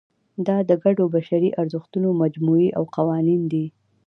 دا د ګډو بشري ارزښتونو مجموعې او قوانین دي.